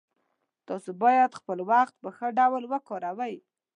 تاسو باید خپل وخت په ښه ډول وکاروئ